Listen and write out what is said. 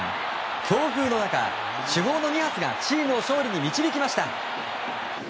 強風の中、主砲の２発がチームを勝利に導きました。